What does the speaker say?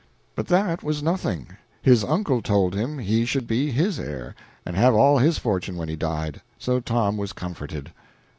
But that was nothing; his uncle told him he should be his heir and have all his fortune when he died; so Tom was comforted.